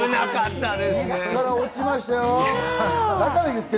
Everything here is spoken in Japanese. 椅子から落ちましたよ。